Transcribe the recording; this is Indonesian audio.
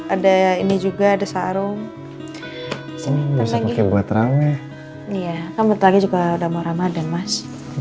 ada ini juga ada sarung buat rame iya kamu lagi juga udah mau ramadan mas